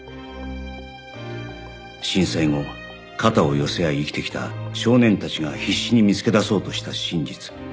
震災後肩を寄せ合い生きてきた少年たちが必死に見つけ出そうとした真実